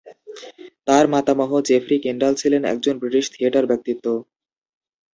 তাঁর মাতামহ Geoffrey Kendall ছিলেন একজন ব্রিটিশ থিয়েটার ব্যক্তিত্ব।